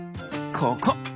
ここ！